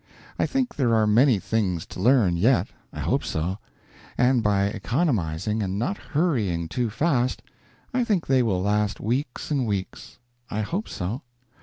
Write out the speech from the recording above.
I think there are many things to learn yet I hope so; and by economizing and not hurrying too fast I think they will last weeks and weeks. I hope so.